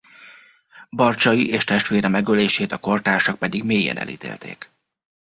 Barcsay és testvére megölését a kortársak pedig mélyen elítélték.